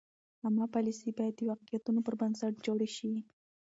عامه پالیسۍ باید د واقعیتونو پر بنسټ جوړې شي.